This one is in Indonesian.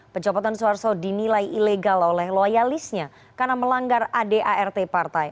pencopotan suharto dinilai ilegal oleh loyalisnya karena melanggar adart partai